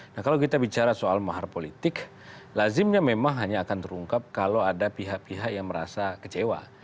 nah kalau kita bicara soal mahar politik lazimnya memang hanya akan terungkap kalau ada pihak pihak yang merasa kecewa